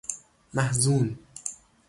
محزون